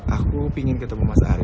aku ingin ketemu mas ari